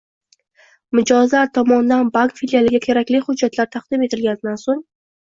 Mijozlar tomonidan bank filialiga kerakli hujjatlar taqdim etilganidan so‘ng